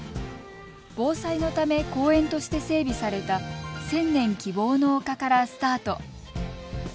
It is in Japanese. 防災のため公園として整備された千年希望の丘からスタート。